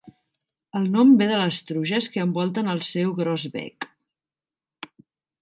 El nom ve de les truges que envolten el seu gros bec.